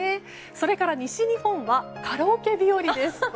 それから西日本はカラオケ日和です。